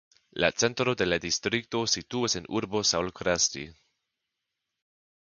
La centro de la distrikto situas en urbo Saulkrasti.